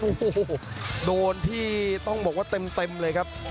โอ้โหโดนที่ต้องบอกว่าเต็มเลยครับ